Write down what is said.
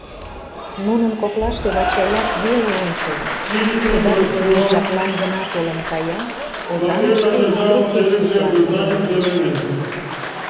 Нунын коклаште Вачаяк веле ончылно, тудат кеҥеж жаплан гына толын кая, Озаҥыште гидротехниклан тунемеш.